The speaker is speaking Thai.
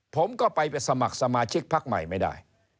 ผมก็ไปสมัครสมาชิกพักใหม่ไม่ได้